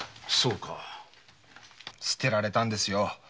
捨てられたんですよ。